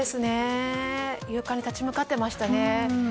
勇敢に立ち向かってましたね。